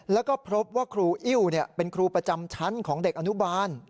แล้วก็พบว่าครูอิ้วเป็นครูประจำชั้นของเด็กอนุบาล